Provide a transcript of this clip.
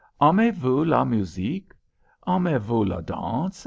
Aimez vous la musique? Aimez vous la danse?